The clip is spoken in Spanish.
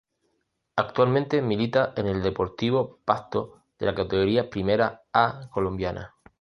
Actualmente milita en el Deportivo Pasto de la Categoría Primera A colombiana.